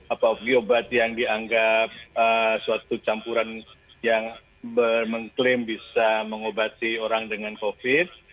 apalagi obat yang dianggap suatu campuran yang mengklaim bisa mengobati orang dengan covid